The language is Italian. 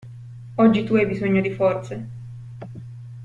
Oggi tu hai bisogno di forze.